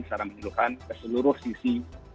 secara menyeluruhan ke seluruh sisi